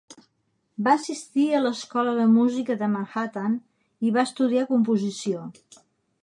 Va assistir a l'Escola de Música de Manhattan i va estudiar composició.